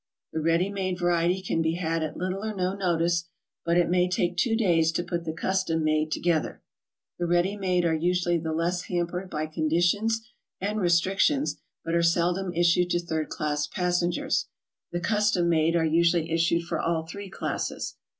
The ready made variety can be had at little or no notice, but it may take two days to put the cus tom made together. The ready made are usually the less hampered by conditions and restrictions but are seldom issued to third class passengers. The custom made are usually issued for all three classes.